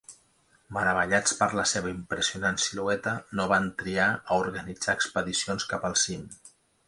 Meravellats per la seva impressionant silueta, no van trigar a organitzar expedicions cap al cim.